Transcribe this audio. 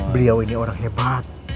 beliau ini orang hebat